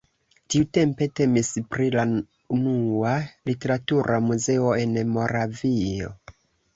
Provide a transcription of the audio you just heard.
Tiutempe temis pri la unua literatura muzeo en Moravio.